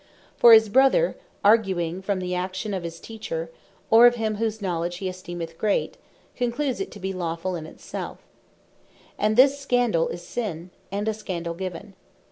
For his Brother, arguing from the action of his teacher, or of him whose knowledge he esteemeth great, concludes it to bee lawfull in it selfe. And this Scandall, is Sin, and a Scandall given.